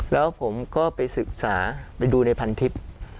แล้วผมก็ไปศึกษาไปดูในพันทิพย์